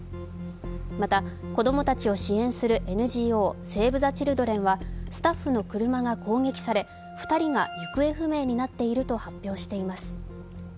また、子供たちを支援するＮＧＯ、セーブ・ザ・チルドレンはスタッフの車が攻撃され２人が行方不明になっていると発表しています。